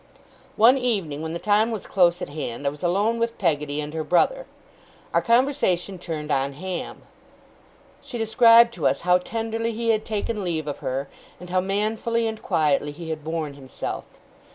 One evening when the time was close at hand, I was alone with Peggotty and her brother. Our conversation turned on Ham. She described to us how tenderly he had taken leave of her, and how manfully and quietly he had borne himself.